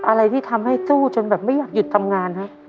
อะไรที่ทำให้สู้จนแบบไม่อยากหยุดทำงานฮะ